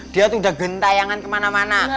dia tuh udah gentayangan kemana mana